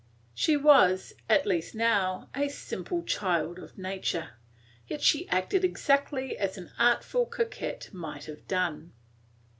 She was, at least now, a simple child of nature, yet she acted exactly as an artful coquette might have done.